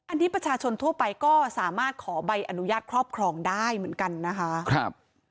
อันนี้ประชาชนทั่วไปก็สามารถขอใบอนุญาตครอบครองได้เหมือนกันนะคะ